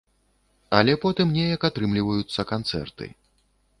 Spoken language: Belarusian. Але потым неяк атрымліваюцца канцэрты.